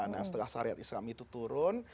nah setelah syariat islam itu turun